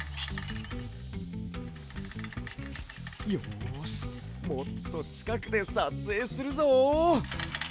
よしもっとちかくでさつえいするぞ！